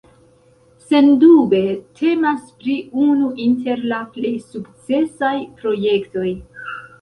Sendube temas pri unu inter la plej sukcesaj projektoj.